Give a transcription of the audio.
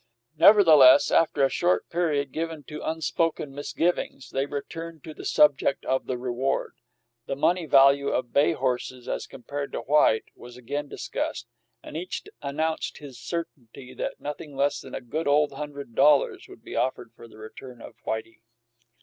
Nevertheless, after a short period given to unspoken misgivings, they returned to the subject of the reward. The money value of bay horses, as compared to white, was again discussed, and each announced his certainty that nothing less than "a good ole hundred dollars" would be offered for the return of Whitey.